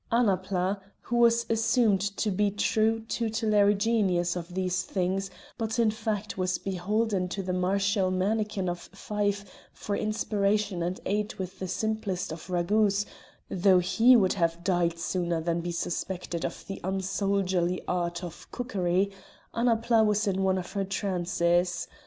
Annapla, who was assumed to be true tutelary genius of these things, but in fact was beholden to the martial mannikin of Fife for inspiration and aid with the simplest of ragouts, though he would have died sooner than be suspected of the unsoldierly art of cookery, Annapla was in one of her trances.